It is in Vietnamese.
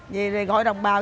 vậy rồi gọi đồng bào